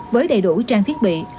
với đầy đủ trang thiết bị